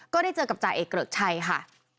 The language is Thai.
ก็ได้เจอกับจ่าเอกเกริกชัยค่ะ